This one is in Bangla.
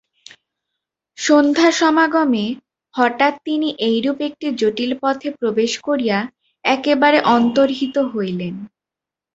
সন্ধ্যা-সমাগমে হঠাৎ তিনি এইরূপ একটি জটিল পথে প্রবেশ করিয়া একেবারে অন্তর্হিত হইলেন।